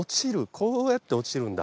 こうやって落ちてるんだ。